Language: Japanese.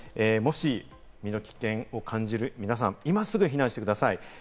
もし身の危険を感じる、皆さんは今すぐ避難してください。